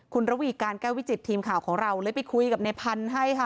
คุณระวีการแก้ววิจิตทีมข่าวของเราเลยไปคุยกับในพันธุ์ให้ค่ะ